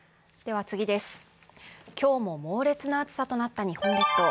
今日も猛烈な暑さとなった日本列島。